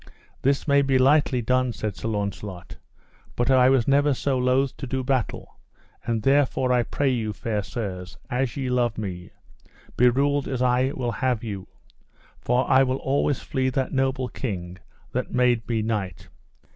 That may be lightly done, said Sir Launcelot, but I was never so loath to do battle, and therefore I pray you, fair sirs, as ye love me, be ruled as I will have you, for I will always flee that noble king that made me knight.